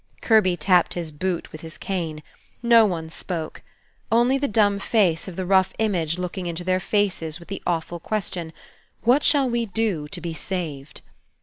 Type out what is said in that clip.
Kirby tapped his boot with his cane. No one spoke. Only the dumb face of the rough image looking into their faces with the awful question, "What shall we do to be saved?"